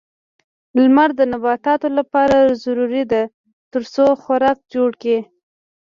لمر د نباتاتو لپاره ضروري ده ترڅو خوراک جوړ کړي.